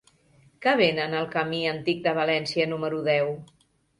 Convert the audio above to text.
Què venen al camí Antic de València número deu?